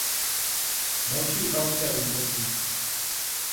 Další italské útoky.